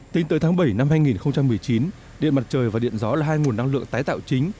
tính tới tháng bảy năm hai nghìn một mươi chín điện mặt trời và điện gió là hai nguồn năng lượng tái tạo chính